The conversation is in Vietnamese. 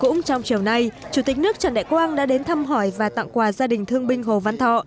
cũng trong chiều nay chủ tịch nước trần đại quang đã đến thăm hỏi và tặng quà gia đình thương binh hồ văn thọ